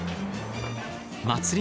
祭り